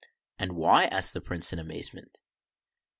"And why? " asked the Prince, in amazement.